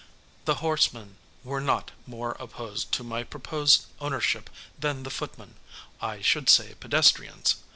The horsemen were not more opposed to my proposed ownership than the footmen I should say pedestrians.